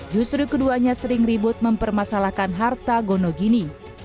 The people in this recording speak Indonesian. justru keduanya sering ribut mempermasalahkan harta gunung ini